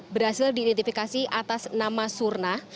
berhasil diidentifikasi atas nama surna